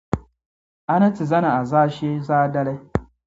a ni ti zani a zaashee zaadali.